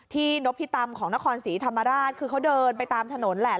นพิตำของนครศรีธรรมราชคือเขาเดินไปตามถนนแหละ